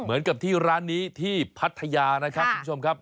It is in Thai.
เหมือนกับที่ร้านนี้ที่พัทยานะครับคุณผู้ชมครับ